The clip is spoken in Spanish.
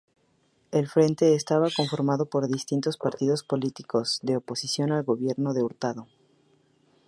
El frente estaba conformado por distintos partidos políticos de oposición al gobierno de Hurtado.